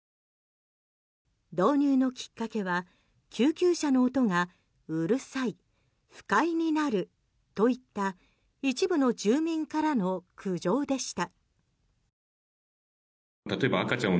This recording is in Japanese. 導入のきっかけは救急車の音がうるさい不快になるといった一部の住民からの苦情でした。